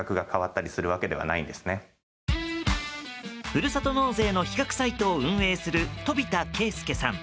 ふるさと納税の比較サイトを運営する飛田啓介さん。